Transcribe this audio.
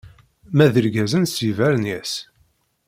Ma d irgazen s yibernyas.